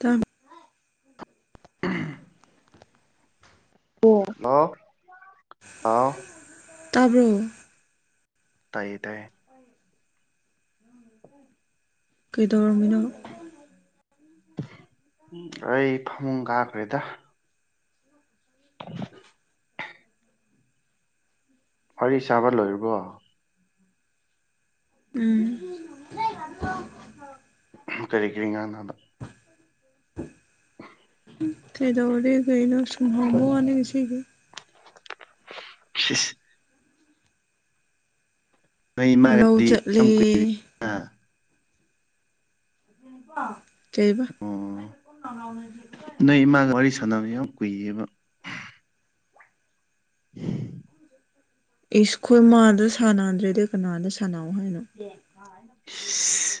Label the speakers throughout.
Speaker 1: ꯇ
Speaker 2: ꯎꯝ
Speaker 1: ꯑꯣ
Speaker 2: ꯍꯜꯂꯣ ꯍꯥꯎ
Speaker 1: ꯇꯥꯕ
Speaker 2: ꯇꯩꯗ
Speaker 1: ꯀꯩꯗꯧꯔꯃꯤꯅꯣ
Speaker 2: ꯑꯩ ꯐꯃꯨꯡ ꯀꯥꯈ꯭ꯔꯦꯗ
Speaker 1: ꯎ
Speaker 2: ꯋꯥꯔꯤ ꯁꯥꯥꯕ ꯂꯣꯏꯔꯕꯣ
Speaker 1: ꯎꯝ
Speaker 2: ꯀꯔꯤ ꯀꯔꯤ ꯉꯥꯡꯗ
Speaker 1: [inaudible] ꯀꯩꯗꯧꯔꯤ ꯀꯩꯅꯣ ꯁꯨꯝꯍꯕꯣꯅ ꯏꯁꯤꯒꯤ
Speaker 2: [inaudible] ꯅꯣꯏ
Speaker 1: ꯂꯧ
Speaker 2: ꯏꯃꯥꯒꯗꯤ ꯌꯥꯝ
Speaker 1: ꯆꯠꯂꯦ
Speaker 2: ꯀꯨꯏꯔꯦꯅ
Speaker 1: ꯆꯩꯕ
Speaker 2: ꯅ ꯏꯃꯥꯡꯒ ꯋꯥꯔꯤꯔꯤ ꯁꯅꯃꯤ ꯀꯏꯦꯕ [inaudible]
Speaker 1: ꯏꯁ ꯈꯣꯏ ꯃꯥꯗ ꯁꯥꯅꯗ꯭ꯔꯗꯤ ꯀꯅꯥꯗ ꯁꯥꯅꯧ ꯍꯥꯏꯅꯣ
Speaker 2: ꯏꯁ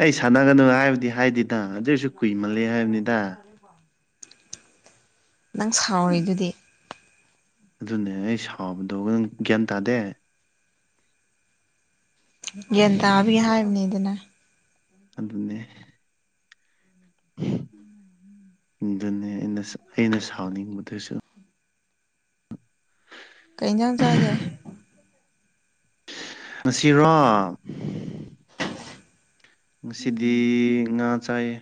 Speaker 2: ꯑꯩ ꯁꯥꯅꯒꯅꯨ ꯍꯥꯏꯕꯗꯤ ꯍꯥꯏꯗꯦ ꯗ ꯑꯗꯨꯁꯨ ꯀꯨꯏꯃꯜꯂꯦ ꯍꯥꯏꯕꯅꯤꯗ
Speaker 1: ꯅꯪ ꯁꯥꯎꯔꯤꯗꯨꯗꯤ
Speaker 2: ꯑꯗꯨꯅꯦ ꯑꯩ ꯁꯥꯎꯕꯗꯣ ꯅꯪ ꯒ꯭ꯌꯥꯟ ꯇꯥꯗꯦ
Speaker 1: ꯒ꯭ꯌꯥꯟ ꯇꯥꯕꯒꯤ ꯍꯥꯏꯕꯅꯤꯗꯅ
Speaker 2: ꯑꯗꯨꯅꯦ ꯑꯗꯨꯅꯦ ꯑꯩꯅ ꯑꯩꯅ ꯁꯥꯎꯅꯤꯡꯕꯗꯨꯁꯨ
Speaker 1: ꯀꯩꯖꯥꯡ ꯆꯥꯒꯦ
Speaker 2: ꯉꯁꯤꯔꯣ ꯉꯁꯤꯗꯤ ꯉꯥ ꯆꯥꯏꯌꯦ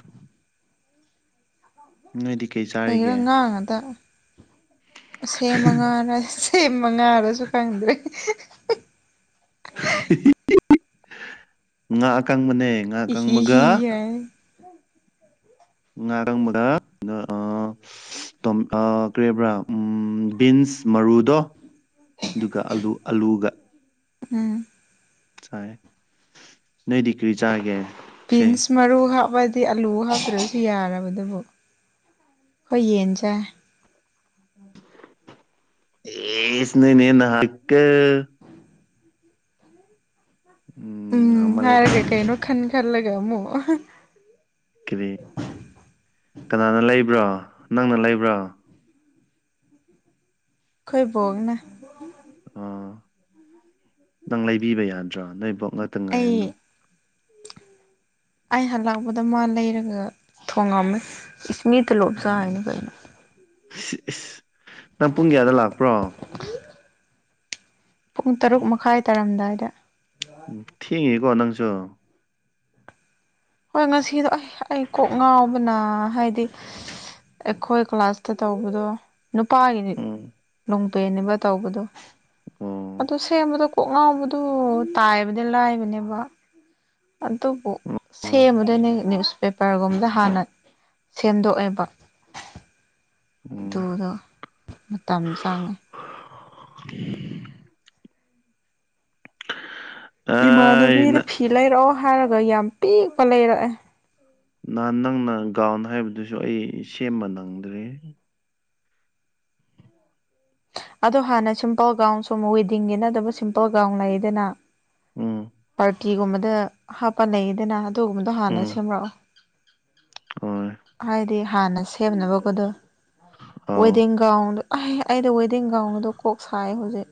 Speaker 2: ꯅꯣꯏꯗꯤ ꯀꯩ ꯆꯥ
Speaker 1: ꯀꯩꯒꯤꯔꯥ ꯉꯥ ꯉꯥꯛꯇ ꯁꯦꯝꯃ ꯉꯥꯔ ꯁꯦꯝꯃ ꯉꯥꯔꯁꯨ ꯈꯪꯗ꯭ꯔꯦ [inaudible]
Speaker 2: [inaudible] ꯉꯥ ꯑꯀꯪꯕꯅꯦ ꯉꯥ
Speaker 1: ꯍꯤꯍꯤ
Speaker 2: ꯑꯀꯪꯕꯒ
Speaker 1: ꯍꯥꯌꯦ
Speaker 2: ꯉꯥꯔꯪ ꯒ ꯉꯥ ꯑ ꯇꯣꯝ ꯑ ꯀꯔꯤꯕ꯭ꯔꯥ ꯎꯝ ꯕꯤꯟꯁ ꯃꯔꯨꯗꯣ ꯗꯨꯒ ꯑꯂꯨ ꯑꯂꯨꯒ
Speaker 1: ꯎꯝ
Speaker 2: ꯆꯥꯏ ꯅꯣꯏꯗꯤ ꯀ꯭ꯔꯤ ꯆꯥꯒꯦ ꯁꯤ
Speaker 1: ꯄꯤꯟꯁ ꯃꯔꯨ ꯍꯥꯞꯄꯗꯤ ꯑꯥꯂꯨ ꯍꯥꯞꯇ꯭ꯔꯁꯨ ꯌꯥꯔꯕꯗꯨꯕꯨ ꯈꯣꯏ ꯌꯦꯟ ꯆꯥꯏ
Speaker 2: ꯑꯦꯁ ꯅꯣꯏꯅ ꯍꯦꯅ [unintelligible] ꯏꯀꯣ
Speaker 1: ꯎꯝ
Speaker 2: ꯍꯃꯜꯂꯦꯗ
Speaker 1: ꯍꯥꯏꯔꯒ
Speaker 2: ꯅꯣꯏꯁꯨ
Speaker 1: ꯀꯩꯅꯣ ꯈꯟ ꯈꯜꯂꯒ ꯑꯃꯨꯛ
Speaker 2: ꯀꯔꯤ ꯀꯅꯥꯅ ꯂꯩꯕ꯭ꯔꯣ ꯅꯪꯅ ꯂꯩꯕ꯭ꯔꯣ
Speaker 1: ꯈꯣꯏ ꯕꯣꯛꯅꯥ
Speaker 2: ꯑꯣ ꯅꯪ ꯂꯩꯕꯤꯕ ꯌꯥꯗ꯭ꯔꯣ ꯅꯣꯏꯕꯣꯛ ꯅ
Speaker 1: ꯑꯩ ꯑꯩ ꯍꯟꯂꯛꯄꯗ ꯃꯥ ꯂꯩꯔꯒ ꯊꯣꯡꯉꯝꯃꯦ ꯏꯁ ꯃꯤ ꯇꯣꯂꯣꯞ ꯆꯥꯏꯅꯤ
Speaker 2: ꯑꯣ
Speaker 1: ꯀꯩꯅꯣ
Speaker 2: ꯏꯁ ꯏꯁ ꯅꯪ ꯄꯨꯡ ꯀꯌꯥꯗ ꯂꯥꯛꯄ꯭ꯔꯣ
Speaker 1: [unintelligible] ꯄꯨꯡ ꯇꯔꯨꯛ ꯃꯈꯥꯏ ꯇꯥꯔꯝꯗꯥꯏꯗ
Speaker 2: ꯊꯦꯡꯉꯤꯀꯣ ꯅꯪꯁꯨ
Speaker 1: ꯍꯣꯏ ꯉꯁꯤꯗꯣ ꯑꯁ ꯑꯩ ꯀꯣꯛ ꯉꯥꯎꯕꯅ ꯍꯥꯏꯗꯤ ꯑꯩꯈꯣꯏ ꯀ꯭ꯂꯥꯁꯇ ꯇꯧꯕꯗꯣ ꯅꯨꯄꯥꯒꯤꯗꯤ
Speaker 2: ꯎꯝ
Speaker 1: ꯅꯨꯡꯇꯤꯅꯦꯕ ꯇꯧꯕꯗꯣ
Speaker 2: ꯑꯣ
Speaker 1: ꯑꯗꯨ ꯁꯦꯝꯕꯗꯣ ꯀꯣꯛ ꯉꯥꯎꯕꯗꯣ ꯇꯥꯏꯕꯗꯤ ꯂꯥꯏꯕꯅꯦꯕ ꯑꯗꯨꯕꯨ
Speaker 2: ꯑꯣ
Speaker 1: ꯁꯦꯝꯕꯗꯨꯅꯦ ꯅ꯭ꯌꯨꯁ ꯄꯦꯄꯔꯒꯨꯝꯕꯗ ꯍꯥꯟꯅ ꯁꯦꯝꯗꯣꯛꯑꯦꯕ
Speaker 2: ꯎꯝ
Speaker 1: ꯑꯗꯨꯗꯣ ꯃꯇꯝ ꯆꯡꯉꯦ
Speaker 2: [inaudible] ꯑꯩ
Speaker 1: ꯏꯃꯥꯟꯅꯕꯤꯗ ꯐꯤ ꯂꯩꯔꯛꯑꯣ ꯍꯥꯏꯔꯒ ꯌꯥꯝ ꯄꯤꯛꯄ ꯂꯩꯔꯛꯑꯦ
Speaker 2: ꯅꯍꯥꯟ ꯅꯪꯅ ꯒꯥꯎꯟ ꯍꯥꯏꯕꯗꯨꯁꯨ ꯑꯩ ꯁꯦꯝꯕ ꯅꯪꯗ꯭ꯔꯦ
Speaker 1: ꯑꯗꯣ ꯍꯥꯟꯅ ꯁꯤꯝꯄꯜ ꯒꯥꯎꯟ ꯁꯨꯝ ꯋꯦꯗꯤꯡꯒꯤ ꯅꯠꯇꯕ ꯁꯤꯝꯄꯜ ꯒꯥꯎꯟ ꯂꯩꯗꯅ
Speaker 2: ꯎꯝ
Speaker 1: ꯄꯥꯔꯇꯤꯒꯨꯝꯕꯗ ꯍꯥꯞꯄ ꯂꯦꯌꯦꯗꯅ ꯑꯗꯨꯒꯨꯝꯕꯗꯣ ꯍꯥꯟꯅ
Speaker 2: ꯎꯝ
Speaker 1: ꯁꯦꯝꯔꯛꯑꯣ
Speaker 2: ꯍꯣꯏ
Speaker 1: ꯍꯥꯏꯗꯤ ꯍꯥꯟꯅ ꯁꯦꯝꯅꯕꯒꯗꯣ
Speaker 2: ꯑꯥꯎ
Speaker 1: ꯋꯦꯗꯤꯡ ꯒꯥꯎꯟꯗꯣ ꯑꯥꯏ ꯑꯩꯗꯤ ꯋꯦꯗꯤꯡ ꯒꯥꯎꯟꯗꯣ ꯀꯣꯛ ꯁꯥꯏ ꯍꯧꯖꯤꯛ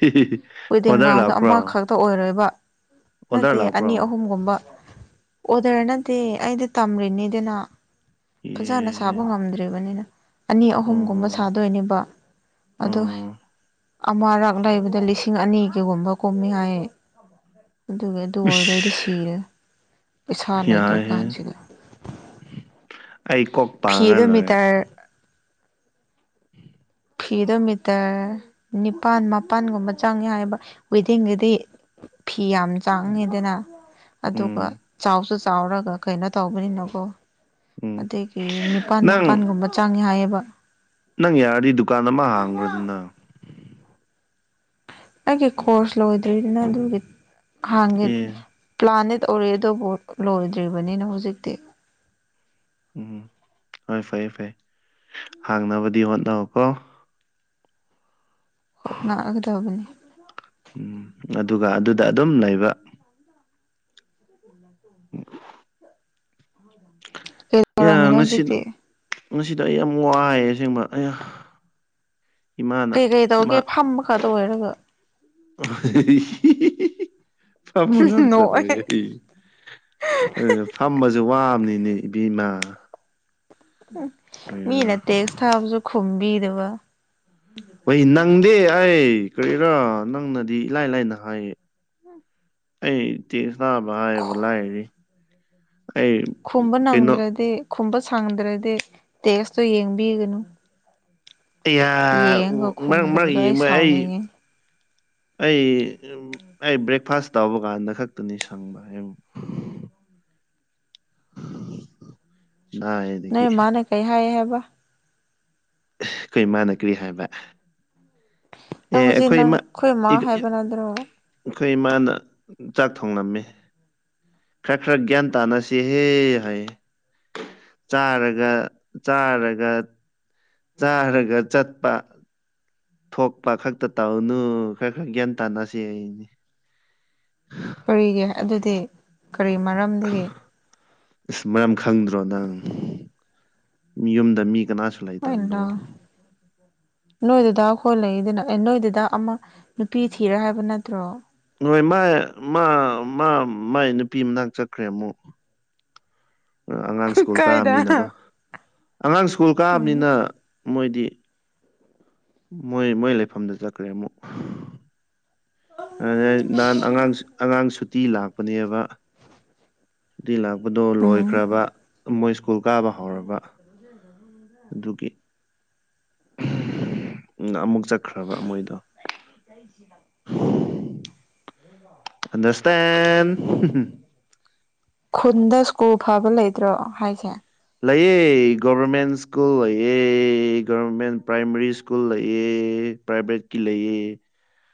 Speaker 2: ꯍꯤ ꯍꯤ ꯍꯤ
Speaker 1: ꯋꯦꯗꯤꯡ ꯒ꯭ꯔꯥꯎꯟꯗ ꯑꯃꯈꯛꯇ ꯑꯣꯏꯔꯣꯏꯕ
Speaker 2: ꯑꯣꯗꯔ
Speaker 1: ꯅꯠꯇꯦ
Speaker 2: ꯂꯥꯛꯄ꯭ꯔꯣ
Speaker 1: ꯑꯅꯤ ꯑꯍꯨꯝ ꯒꯨꯝꯕ ꯑꯣꯗꯔ ꯅꯠꯇꯦ ꯑꯩꯗꯤ ꯇꯝꯔꯤꯅꯤꯗꯅ ꯐꯖꯅ ꯁꯥꯕ
Speaker 2: ꯑꯦ
Speaker 1: ꯉꯝꯗ꯭ꯔꯤꯕꯅꯤꯅ ꯑꯅꯤ ꯑꯍꯨꯝ ꯒꯨꯝꯕ
Speaker 2: ꯑꯣ
Speaker 1: ꯁꯥꯗꯣꯏꯅꯦꯕ ꯑꯗꯣ
Speaker 2: ꯑꯣ
Speaker 1: ꯑꯃꯔꯛ ꯂꯩꯕꯗ ꯂꯤꯁꯤꯡ ꯑꯅꯤꯒꯒꯨꯝꯕ ꯀꯨꯝꯃꯤ ꯍꯥꯏ ꯑꯗꯨꯒ ꯑꯗꯨ ꯑꯣꯏꯔꯗꯤ
Speaker 2: ꯏꯁ
Speaker 1: ꯁꯤꯔꯅꯤ ꯄꯩꯁꯥ ꯂꯩꯗ꯭ꯔ
Speaker 2: ꯌꯥꯏꯍꯦ
Speaker 1: ꯀꯥꯟꯁꯤꯗ
Speaker 2: ꯑꯩ ꯀꯣꯛ
Speaker 1: ꯐꯤꯗꯣ
Speaker 2: ꯄꯥꯡꯉꯒ ꯂꯣꯏꯔꯦ
Speaker 1: ꯃꯤꯇꯔ
Speaker 2: [inaudible]
Speaker 1: ꯐꯤꯗꯣ ꯃꯤꯇ꯭ꯔ ꯅꯤꯄꯥꯜ ꯃꯥꯄꯜ ꯒꯨꯝꯕ ꯆꯪꯉꯦ ꯍꯥꯏꯌꯦꯕ ꯋꯦꯗꯤꯡꯒꯤꯗꯤ ꯐꯤ ꯌꯥꯝ
Speaker 2: ꯎꯝ
Speaker 1: ꯆꯥꯡꯉꯤꯗꯅ ꯑꯗꯨꯒ
Speaker 2: ꯎꯝ
Speaker 1: ꯆꯥꯎꯁꯨ ꯆꯥꯎꯔꯒ ꯀꯩꯅꯣ ꯇꯧꯕꯅꯤꯅꯀꯣ
Speaker 2: ꯎꯝ
Speaker 1: ꯑꯗꯒꯤ ꯅꯤꯄꯥꯜ
Speaker 2: ꯅꯪ
Speaker 1: ꯃꯄꯜꯒꯨꯝꯕ ꯆꯥꯡꯉꯦ ꯍꯥꯏꯌꯦꯕ
Speaker 2: ꯅꯪ ꯌꯥꯔꯗꯤ ꯗꯨꯀꯥꯟ ꯑꯃ ꯍꯥꯡꯉꯣꯗꯅ
Speaker 1: ꯑꯩꯒꯤ ꯈꯧꯁ ꯂꯣꯏꯗ꯭ꯔꯅ ꯑꯗꯨꯒꯤ ꯍꯥꯡꯉꯦ
Speaker 2: ꯑꯦ
Speaker 1: ꯄ꯭ꯂꯥꯅꯦꯠ ꯑꯣꯏꯔꯦ ꯑꯗꯨꯕꯨ ꯂꯣꯏꯗ꯭ꯔꯤꯕꯅꯤꯅ ꯍꯧꯖꯤꯛꯇꯤ
Speaker 2: ꯎꯝ ꯍꯣꯏ ꯐꯩ ꯐꯩ ꯍꯥꯡꯅꯕꯗꯤ ꯍꯣꯠꯅꯧꯀꯣ
Speaker 1: ꯍꯣꯠꯅꯔꯒꯗꯕꯅꯤ
Speaker 2: ꯎꯝ ꯑꯗꯨꯒ ꯑꯗꯨꯗ ꯑꯗꯨꯝ ꯂꯩꯕ
Speaker 1: ꯇ
Speaker 2: ꯑ
Speaker 1: ꯀꯩꯗꯧꯔꯝꯃꯤꯅꯣ
Speaker 2: ꯉꯁꯤ
Speaker 1: ꯍꯧꯖꯤꯛꯇꯤ
Speaker 2: ꯉꯁꯤꯗ ꯑꯩ ꯌꯥꯝ ꯋꯥꯏꯑꯦ ꯑꯁꯦꯡꯕ ꯏꯃꯥꯅ
Speaker 1: ꯀꯩ ꯀꯩ ꯇꯧꯒꯦ ꯐꯝꯕ ꯈꯠꯇ ꯑꯣꯏꯔꯒ
Speaker 2: ꯐꯃ ꯉꯥꯛꯇꯕꯨ
Speaker 1: ꯅꯣꯛꯑꯦ
Speaker 2: ꯑꯩ ꯑꯥ ꯐꯝꯕꯁꯦ ꯋꯥꯕꯅꯤꯅꯦ ꯏꯕꯦꯝꯃꯥ
Speaker 1: ꯍꯝ ꯃꯤꯅ ꯇꯦꯛꯁ ꯊꯥꯕꯁꯨ ꯈꯨꯝꯕꯤꯗꯕ
Speaker 2: ꯍ ꯅꯪꯗꯦ ꯑꯩ ꯀꯔꯤꯔꯥ ꯅꯪꯅꯗꯤ ꯏꯂꯥꯏ ꯂꯥꯏꯅ ꯍꯥꯏꯌꯦ
Speaker 1: ꯎꯝ
Speaker 2: ꯑꯩ ꯇꯦ ꯇꯥꯕ ꯍꯥꯏꯌꯦꯕ ꯂꯥꯏꯔꯤ ꯑꯩ
Speaker 1: ꯈꯨꯝꯕ
Speaker 2: ꯀꯩꯅꯣ
Speaker 1: ꯅꯪꯗ꯭ꯔꯗꯤ ꯈꯨꯝꯕ ꯁꯥꯡꯗ꯭ꯔꯗꯤ ꯇꯦꯁꯇꯣ ꯌꯦꯡꯕꯤꯒꯅꯨ
Speaker 2: ꯑꯩꯌ ꯎ
Speaker 1: ꯌꯦꯡꯉꯒ
Speaker 2: ꯃꯔꯛ ꯃꯔꯛ
Speaker 1: ꯈꯨꯝꯗꯕꯗꯣ
Speaker 2: ꯌꯦꯡꯕ ꯑꯩ
Speaker 1: ꯁꯥꯎꯅꯤꯡꯉꯤ
Speaker 2: ꯑꯩ ꯑꯩ ꯕ꯭ꯔꯦꯛꯐꯥꯁ ꯇꯧꯕ ꯀꯥꯟꯗ ꯈꯛꯇꯅꯤ ꯁꯪꯕ ꯅꯥꯏꯜ
Speaker 1: ꯅꯣꯏ ꯃꯥꯅ ꯀꯩ ꯍꯥꯏꯌꯦ ꯍꯥꯏꯕ
Speaker 2: ꯑꯩꯈꯣꯏ ꯃꯥꯟꯅꯒ꯭ꯔꯤ ꯍꯥꯏꯕ
Speaker 1: ꯅꯪ
Speaker 2: ꯑꯦ
Speaker 1: ꯍꯧꯖꯤꯛ ꯅꯪ
Speaker 2: ꯏꯃꯥ
Speaker 1: ꯑꯩꯈꯣꯏ ꯃꯥ
Speaker 2: ꯏꯛ-
Speaker 1: ꯍꯥꯏꯕ
Speaker 2: ꯏꯛ-
Speaker 1: ꯅꯠꯇ꯭ꯔꯣ
Speaker 2: ꯑꯩꯈꯣꯏ ꯏꯃꯥꯅ ꯆꯥꯛ ꯊꯣꯡꯂꯝꯃꯦ ꯈꯔ ꯈꯔ ꯒ꯭ꯌꯥꯟ ꯇꯥꯅꯁꯤꯍꯦ ꯍꯥꯏ ꯆꯥꯔꯒ ꯆꯥꯔꯒ ꯆꯥꯔꯒ ꯆꯠꯄꯥ ꯊꯣꯛꯄ ꯈꯛꯇ ꯇꯧꯅꯨ ꯈꯔ ꯈꯔ ꯒ꯭ꯌꯥꯟ ꯇꯥꯅꯁꯤ ꯑꯩꯅꯤ
Speaker 1: ꯀꯔꯤꯒꯤ ꯑꯗꯨꯗꯤ ꯀꯔꯤ ꯃꯔꯝꯗꯒꯤ
Speaker 2: ꯑꯁ ꯃꯔꯝ ꯈꯪꯗ꯭ꯔꯣ ꯅꯪ ꯌꯨꯝꯗ ꯃꯤ ꯀꯅꯥꯁꯨ ꯂꯩꯇꯕꯗꯣ
Speaker 1: ꯍꯅ ꯅꯣꯏꯗꯨꯗ ꯈꯣꯏ ꯂꯩꯛꯏꯗꯅ ꯑꯦ ꯅꯣꯏꯗꯨꯗ ꯑꯃꯥ ꯅꯨꯄꯤ ꯊꯤꯔꯦ ꯍꯥꯏꯕ ꯅꯠꯇ꯭ꯔꯣ
Speaker 2: ꯍꯣꯏ ꯃꯥꯥꯏ ꯃꯥ ꯃꯥ ꯃꯥꯏ ꯅꯨꯄꯤ ꯃꯅꯥ ꯆꯠꯈ꯭ꯔꯦ ꯑꯃꯨꯛ ꯑꯉꯥꯡ ꯁ꯭ꯀꯨꯜ
Speaker 1: ꯀꯥꯏꯗ
Speaker 2: ꯀꯥꯑꯕꯅꯤꯅꯀꯣ ꯑꯉꯥꯡ ꯁ꯭ꯀꯨꯜ
Speaker 1: ꯎꯝ
Speaker 2: ꯀꯥꯑꯕꯅꯤꯅ ꯃꯣꯏꯗꯤ ꯃꯣꯏ ꯃꯣꯏ ꯂꯩꯐꯝꯗ ꯆꯠꯈ꯭ꯔꯦ ꯑꯃꯨꯛ ꯑꯗꯨ ꯅꯍꯥꯟ ꯑꯉꯥꯡ ꯑꯉꯥꯡ ꯁꯨꯇꯤ ꯂꯥꯛꯄꯅꯦꯕ ꯑꯗꯨ ꯂꯥꯛꯄꯗꯣ
Speaker 1: ꯎꯝ
Speaker 2: ꯂꯣꯏꯈ꯭ꯔꯕ ꯃꯣꯏ ꯁ꯭ꯀꯨꯜ ꯀꯥꯕ ꯍꯧꯔꯕ ꯑꯗꯨꯒꯤ ꯎ ꯑꯃꯨꯛ ꯆꯠꯈ꯭ꯔꯕ ꯃꯣꯏꯗꯣ
Speaker 1: ꯂꯩꯁꯤ ꯀꯩꯁꯤꯔꯞ ꯎꯃ [inaudible]
Speaker 2: ꯑꯟꯗꯔꯁꯇꯦꯟ
Speaker 1: ꯈꯨꯟꯗ ꯁ꯭ꯀꯨꯜ ꯐꯕ ꯂꯩꯇ꯭ꯔꯣꯍꯥꯏꯁꯦ
Speaker 2: ꯂꯩꯌꯦ ꯒꯕꯔꯃꯦꯟ ꯁ꯭ꯀꯨꯜ ꯂꯩꯌꯦ ꯒꯕꯔꯃꯦꯟ ꯄ꯭ꯔꯥꯏꯃꯔꯤ ꯁ꯭ꯀꯨꯜ ꯂꯩꯌꯦ ꯄ꯭ꯔꯥꯏꯕꯦꯠꯀꯤ ꯂꯩꯌꯦ
Speaker 1: [unintelligible]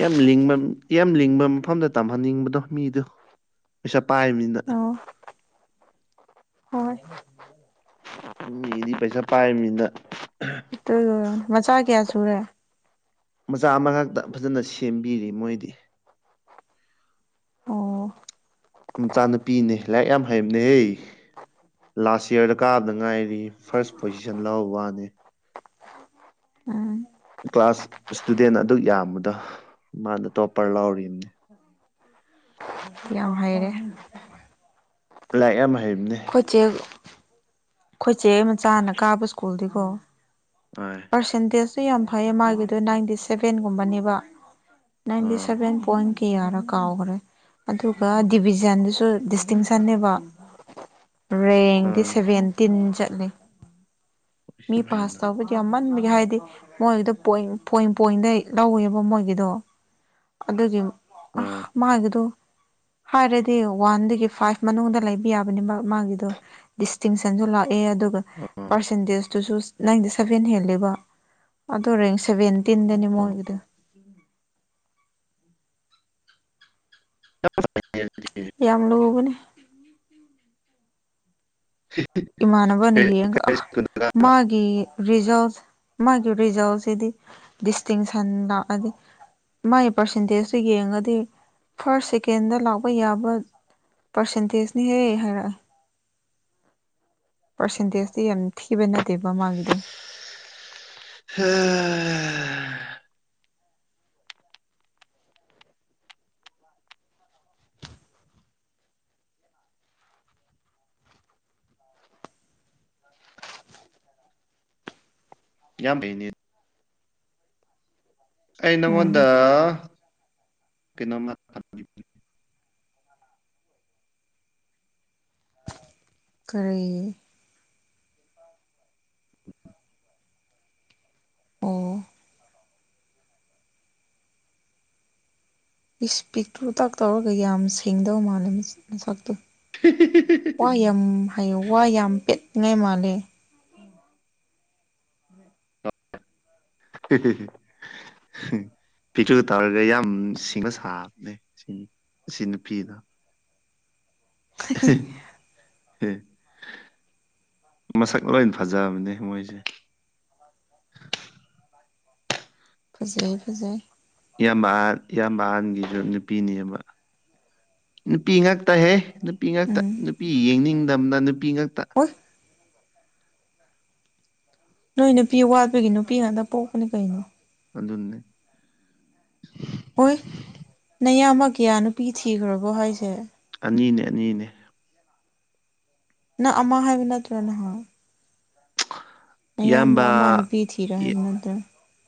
Speaker 2: ꯌꯥꯝ ꯂꯤꯡꯕ ꯌꯥꯝ ꯂꯤꯡꯕ ꯃꯐꯝꯗ ꯇꯝꯍꯟꯅꯤꯡꯕꯗꯣ ꯃꯤꯗꯨ ꯄꯩꯁꯥ ꯄꯥꯏꯕꯅꯤꯅ
Speaker 1: ꯑꯣ ꯍꯣꯏ
Speaker 2: ꯃꯤꯗꯤ ꯄꯩꯁꯥ ꯄꯥꯏ ꯃꯤꯅ
Speaker 1: ꯃꯆꯥ ꯀꯌꯥ ꯁꯨꯔꯦ
Speaker 2: ꯃꯆꯥ ꯑꯃ ꯉꯥꯛꯇ ꯐꯖꯅ ꯁꯦꯝꯕꯤꯔꯤ ꯃꯣꯏꯗꯤ
Speaker 1: ꯍꯣ
Speaker 2: ꯃꯆꯥ ꯅꯨꯨꯄꯤꯅꯦ ꯂꯥꯏꯔꯤꯛ ꯌꯥꯝ ꯍꯩꯕꯅꯦ ꯍꯩ ꯂꯥꯁ ꯌꯥꯔꯗ ꯀꯥꯕꯗ ꯉꯥꯏꯔꯤ ꯐꯥꯔꯁ ꯄꯣꯖꯤꯁꯟ ꯂꯧ ꯋꯥꯅꯤ
Speaker 1: ꯎꯝ
Speaker 2: ꯀ꯭ꯂꯥꯁ ꯏꯁꯇꯨꯗꯦꯟ ꯑꯗꯨ ꯌꯥꯝꯕꯗ ꯃꯥꯅ ꯇꯣꯄꯔ ꯂꯥꯎꯔꯤꯕꯅꯤ
Speaker 1: ꯌꯥꯝ ꯍꯩꯔꯦ
Speaker 2: ꯂꯥꯏꯔꯥꯛ ꯌꯥꯝ ꯍꯩꯕꯅꯦ
Speaker 1: ꯆ ꯑꯩꯈꯣꯏ ꯆꯦ ꯃꯆꯥꯅ ꯀꯥꯕ ꯁ꯭ꯀꯨꯜꯗꯤ ꯀꯣ
Speaker 2: ꯍ
Speaker 1: ꯄꯥꯔꯁꯦꯟꯇꯦꯖꯇꯨ ꯌꯥꯝ ꯐꯩꯌꯦ ꯃꯥꯒꯤꯗꯣ ꯅꯥꯏꯟꯇꯤ ꯁꯚꯦꯟꯒꯨꯝꯕꯅꯦꯕ ꯅꯪꯗꯤ
Speaker 2: ꯑꯥ
Speaker 1: ꯁꯚꯦꯟ ꯄꯣꯏꯟ ꯀꯤꯌꯥꯔ ꯀꯥꯎꯈ꯭ꯔꯦ ꯑꯗꯨꯒ ꯗꯤꯕꯤꯖꯟꯗꯨꯁꯨ ꯗꯤꯁꯇꯤꯡꯁꯟꯅꯦꯕ ꯔꯦꯡꯗꯤ
Speaker 2: ꯑꯥ
Speaker 1: ꯁꯦꯚꯦꯟꯇꯤꯟ ꯆꯠꯂꯦ
Speaker 2: ꯁꯤ
Speaker 1: ꯃꯤ ꯄꯥꯁ
Speaker 2: ꯐꯩꯅ
Speaker 1: ꯇꯧꯕ ꯌꯥꯝꯃꯟꯕꯒꯤꯦ ꯍꯥꯏꯗꯤ ꯃꯣꯏꯗꯣ ꯄꯣꯏ ꯄꯣꯏꯟ ꯄꯣꯏꯟꯗꯩ ꯂꯧꯋꯦꯕ ꯃꯣꯏꯒꯤꯗꯣ ꯑꯗꯨꯒꯤ ꯑ
Speaker 2: ꯑꯥ
Speaker 1: ꯃꯥꯒꯤꯗꯨꯣ ꯍꯥꯏꯔꯗꯤ ꯋꯥꯟꯗꯒꯤ ꯐꯥꯏꯚ ꯃꯅꯨꯡꯗ ꯂꯩꯕ ꯌꯥꯕꯅꯤ ꯃꯥꯒꯤꯗꯣ ꯗꯤꯁꯇꯤꯡꯁꯟꯁꯨ ꯂꯥꯛꯑꯦ ꯑꯗꯨꯒ
Speaker 2: ꯑꯥ
Speaker 1: ꯄꯥꯔꯁꯦꯟꯇꯦꯖ ꯑꯗꯨꯁꯨ ꯅꯥꯏꯟꯗ ꯁꯚꯦꯟ ꯍꯦꯜꯂꯤꯦꯕ ꯑꯗꯨꯣꯔꯦ ꯁꯕꯦꯟꯇꯤꯟꯗꯅꯤ ꯃꯣꯏꯒꯤꯗ ꯌꯥꯝ ꯂꯨꯕꯅꯦ ꯏꯃꯅꯅꯕꯅꯤ ꯌꯦ ꯑ ꯃꯥꯒꯤꯦ ꯀꯤ ꯔꯤꯖꯜ ꯃꯥꯒꯤ ꯔꯤꯖꯜꯁꯤꯗꯤ ꯗꯤꯁꯇꯤꯡꯁꯟ ꯂꯥꯛꯑꯗꯤ ꯃꯥꯒꯤ ꯄꯥꯔꯁꯦꯟꯇꯦꯖꯇꯨ ꯌꯦꯡꯉꯗꯤ ꯐꯥꯔꯁ ꯁꯦꯀꯦꯟꯗ ꯂꯥꯛꯄ ꯌꯥꯕ ꯄꯥꯔꯁꯦꯟꯇꯦꯖꯅꯤꯍꯦꯛ ꯍꯥꯏꯔꯛꯑꯦ ꯄꯥꯔꯁꯦꯟꯇꯦꯖꯇꯤ ꯌꯥꯝ ꯊꯤꯕ ꯅꯠꯇꯦꯕ ꯃꯥꯒꯤꯗꯣ
Speaker 2: ꯍꯥ ꯌꯥꯝ ꯕꯅꯤ ꯑꯩ ꯅꯪꯉꯣꯟꯗ
Speaker 1: ꯎꯝ
Speaker 2: ꯀꯩꯅꯣꯝꯃ
Speaker 1: ꯀ꯭ꯔꯤ ꯑꯣ ꯏꯁ ꯄꯤꯛꯇ꯭ꯔꯨꯀꯥꯛ ꯇꯧꯔꯒ ꯌꯥꯝ ꯁꯦꯡꯗꯧ ꯃꯥꯜꯂꯦ ꯃꯆꯥꯛꯇꯣ ꯋꯥ ꯌꯥꯝ ꯍꯥꯏꯌ ꯋꯥ ꯌꯥꯝ ꯄꯦꯅꯤꯉꯥꯏ ꯃꯥꯜꯂꯦ
Speaker 2: ꯍꯤ ꯍꯤ ꯍꯤ ꯄꯤꯛꯇꯔꯤꯗ ꯇꯧꯔꯒ ꯌꯥꯝ ꯁꯤꯡꯕ ꯁꯥꯕꯅꯦ ꯁꯤꯅꯤ ꯁꯤ ꯅꯨꯄꯤꯗ ꯍ ꯃꯁꯛ ꯂꯣꯏꯅ ꯐꯖꯕꯅꯦ ꯃꯣꯏꯁꯦ
Speaker 1: ꯐꯖꯩ ꯐꯖꯩ
Speaker 2: ꯏꯌꯥꯝꯕ ꯏꯌꯥꯝꯕ ꯑꯍꯟꯒꯤꯁꯨ ꯅꯨꯄꯤꯅꯦꯕ ꯅꯨꯄꯤ ꯉꯥꯛꯇꯍꯦ ꯅꯨꯄꯤ ꯉꯥꯛꯇꯥ
Speaker 1: ꯎꯝ
Speaker 2: ꯅꯨꯄꯤ ꯌꯦꯡꯅꯤꯡꯗꯕꯅ ꯅꯨꯄꯤ ꯉꯥꯛꯇꯥ
Speaker 1: ꯋꯥ ꯅꯣꯏ ꯅꯨꯄꯤ ꯋꯥꯠꯄꯒꯤ ꯅꯨꯄꯤ ꯉꯥꯛꯇ ꯄꯣꯛꯄꯅꯤ ꯀꯩꯅꯣ
Speaker 2: ꯑꯗꯨ ꯑꯗꯨꯅꯦ
Speaker 1: ꯍꯣꯏ ꯅꯌꯥꯝꯕ ꯀꯌꯥ ꯅꯨꯄꯤ ꯊꯤꯈ꯭ꯔꯕꯣ ꯍꯥꯏꯁꯦ
Speaker 2: ꯑꯅꯤꯅꯦ ꯑꯅꯤꯅꯦ
Speaker 1: ꯅ ꯑꯃꯥ ꯍꯥꯏꯕ ꯅꯠꯇꯔꯦ ꯅꯍꯥꯅ ꯑꯌꯥꯝꯕ
Speaker 2: ꯏꯌꯥꯝꯕ
Speaker 1: ꯑꯃ ꯅꯨꯄꯤ ꯊꯤꯔꯣ ꯍꯥꯏꯕ ꯅꯠꯇ꯭ꯔ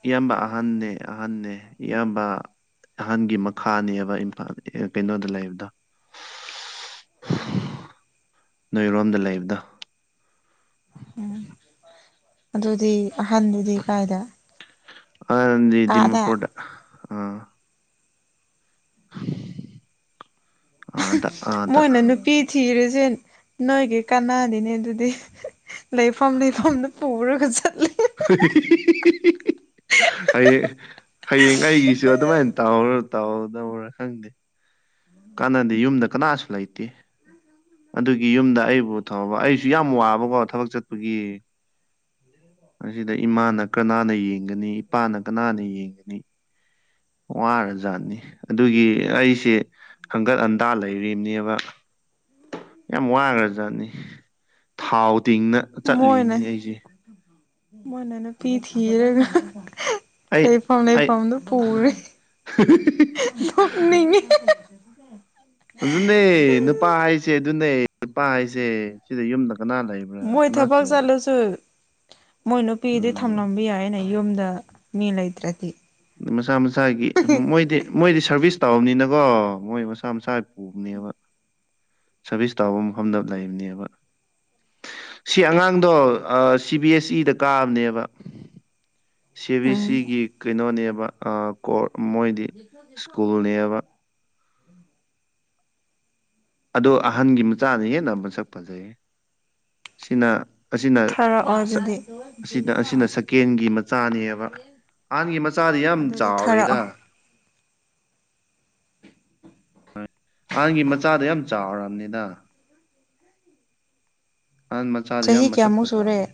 Speaker 2: ꯏꯌꯥꯝꯕ ꯑꯍꯟꯅꯦ ꯑꯍꯟꯅꯦ ꯏꯌꯥꯝꯕ ꯑꯍꯥꯟꯒꯤ ꯃꯈꯥꯅꯦꯕ ꯏꯝꯐꯥꯜ ꯀꯩꯅꯣꯗ ꯂꯩꯕꯗꯣ
Speaker 1: ꯎꯝ
Speaker 2: ꯅꯣꯏꯔꯣꯝꯗ ꯂꯩꯕꯗꯣ
Speaker 1: ꯎꯝ ꯑꯗꯨꯗꯤ ꯑꯍꯟꯗꯨꯗꯤ ꯀꯥꯏꯗꯥ
Speaker 2: ꯑꯗꯤ ꯗꯤꯃꯄꯨꯔꯗ ꯑ ꯑꯥꯗ ꯑꯥꯗ
Speaker 1: ꯃꯣꯏꯅ ꯅꯨꯄꯤ ꯊꯤꯔꯁꯦ ꯅꯣꯏꯒꯤ ꯀꯅꯥꯗꯤꯅꯦ ꯑꯗꯨꯗꯤ ꯂꯩꯐꯝꯗꯤ ꯐꯝꯅ ꯄꯨꯔꯒ ꯆꯠꯂꯦ
Speaker 2: ꯍꯩꯌꯦ ꯍꯌꯦꯡ ꯑꯩꯒꯤꯁꯨ ꯑꯗꯨꯃꯥꯏꯅ ꯇꯥꯎꯔ ꯇꯥꯎꯗꯧꯔ ꯈꯪꯗꯦ ꯀꯥꯟꯅꯗꯦ ꯌꯨꯝꯗ ꯀꯅꯥꯁꯨ ꯂꯩꯇꯦ ꯑꯗꯨꯒꯤ ꯌꯨꯝꯗ ꯑꯩꯕꯨ [unintelligible] ꯑꯩꯁꯨ ꯌꯥꯝ ꯋꯥꯕꯀꯣ ꯊꯕꯛ ꯆꯠꯄꯒꯤ ꯑꯁꯤꯗ ꯏꯃꯥꯅ ꯀꯅꯥꯅ ꯌꯦꯡꯒꯅꯤ ꯏꯄꯥꯅ ꯀꯅꯥꯅ ꯌꯦꯡꯒꯅꯤ ꯋꯥꯔ ꯖꯥꯠꯅꯤ ꯑꯗꯨꯒꯤ ꯑꯩꯁꯦ ꯈꯪꯒꯠ ꯑꯟꯗꯥ ꯂꯩꯔꯤꯝꯅꯦꯕ ꯌꯥꯝ ꯋꯥꯈ꯭ꯔꯖꯥꯠꯅꯤ ꯊꯥꯎ ꯇꯤꯡꯅ
Speaker 1: ꯃꯣꯏꯅ
Speaker 2: ꯆꯠꯂꯤꯕꯅꯤ ꯑꯩꯁꯦ
Speaker 1: ꯃꯣꯏꯅ ꯅꯨꯄꯤ ꯊꯤꯔꯒ
Speaker 2: ꯑꯩ
Speaker 1: ꯂꯩ ꯄꯥꯎ ꯂꯩ
Speaker 2: ꯑꯩ
Speaker 1: ꯄꯥꯎ ꯄꯨꯔ ꯂꫭꯛ ꯅꯤꯡꯉꯦ
Speaker 2: ꯑꯗꯨꯅꯤ ꯅꯨꯄꯥ ꯍꯥꯏꯁꯦ ꯑꯗꯨꯅꯤ ꯅꯨꯄꯥ ꯍꯥꯏꯁꯦ ꯁꯤꯗ ꯌꯨꯝꯗ ꯀꯅꯥ ꯂꯩꯕ꯭ꯔꯥ ꯀꯅꯥꯁꯨ ꯂꯩꯔꯤꯦ
Speaker 1: ꯑꯗꯨꯁꯨ ꯃꯣꯏ ꯅꯨꯄꯤꯗꯤ
Speaker 2: ꯑ
Speaker 1: ꯊꯝꯂꯝꯕ ꯌꯥꯏꯅꯦ ꯌꯨꯝꯗ ꯃꯤ ꯂꯩꯇ꯭ꯔꯗꯤ
Speaker 2: ꯃꯁꯥ ꯃꯁꯥꯒꯤ ꯃꯣꯏꯗꯤ ꯃꯣꯏꯗꯤ ꯁꯥꯔꯚꯤꯁ ꯇꯧꯝꯅꯤꯅꯀꯣ ꯃꯣꯏ ꯃꯁꯥ ꯃꯁꯥ ꯄꯨꯕꯅꯦꯕ ꯁꯔꯚꯤꯁ ꯇꯧꯕ ꯃꯐꯝꯗ ꯂꯩꯕꯅꯦꯕ ꯁꯤ ꯑꯉꯥꯡꯗꯣ ꯁꯤ ꯕꯤ ꯑꯦꯁ ꯁꯤꯗꯥ ꯀꯥꯕꯅꯦꯕ ꯁꯤ ꯕꯤ
Speaker 1: ꯎꯝ
Speaker 2: ꯁꯤꯒꯤ ꯀꯩꯅꯣꯅꯦꯕ ꯀꯣꯔ ꯃꯣꯏꯗꯤ ꯁ꯭ꯀꯨꯜꯅꯦꯕ ꯑꯗꯣ ꯑꯍꯟꯒꯤ ꯃꯆꯥꯅ ꯍꯦꯟꯅ ꯃꯁꯛ ꯐꯖꯩꯌꯦ ꯁꯤꯅ ꯑꯁꯤꯅ
Speaker 1: ꯊꯥꯔꯛꯑꯣ ꯑꯗꯨꯗꯤ
Speaker 2: ꯑꯁꯤꯅ ꯑꯁꯤꯅ ꯁꯀꯦꯟꯒꯤ ꯃꯆꯥꯅꯦꯕ ꯑꯍꯟꯒꯤ ꯃꯆꯥꯗꯤ ꯌꯥꯝ
Speaker 1: ꯑꯗꯨꯗꯤ ꯊꯥꯔꯛꯑꯣ
Speaker 2: ꯆꯥꯎꯔꯦꯗ ꯑꯍꯥꯟꯒꯤ ꯃꯆꯥꯗꯣ ꯌꯥꯝ ꯆꯥꯎꯔꯕꯅꯤꯅ ꯑꯥꯟ ꯃꯆꯥꯗ ꯌꯥꯝ
Speaker 1: ꯆꯍꯤ
Speaker 2: ꯃꯁꯠ
Speaker 1: ꯀꯌꯥꯃꯨꯛ
Speaker 2: ꯐꯖꯥꯕꯅꯤ
Speaker 1: ꯁꯨꯔꯦ